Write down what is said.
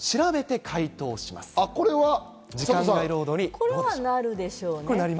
これはなるでしょうね。